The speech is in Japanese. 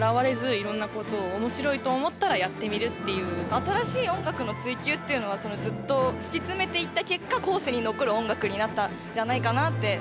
新しい音楽の追求っていうのはずっと突き詰めていった結果後世に残る音楽になったんじゃないかなって思います。